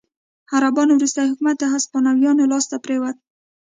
عربانو وروستی حکومت د هسپانویانو لاسته پرېوت.